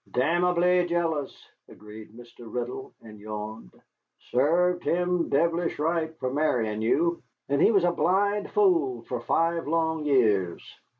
"Damnably jealous!" agreed Mr. Riddle, and yawned. "Served him devilish right for marrying you. And he was a blind fool for five long years."